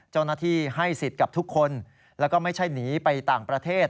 เจ้าหน้าที่ให้สิทธิ์กับทุกคนแล้วก็ไม่ใช่หนีไปต่างประเทศ